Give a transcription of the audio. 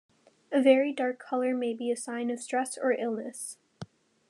A very dark color may be a sign of stress or illness.